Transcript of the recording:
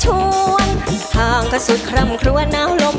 แชมป์สายนี้มันก็น่าจะไม่ไกลมือเราสักเท่าไหร่ค่ะ